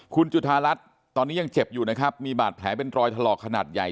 คุณจุธารัฐตอนนี้ยังเจ็บอยู่นะครับมีบาดแผลเป็นรอยถลอกขนาดใหญ่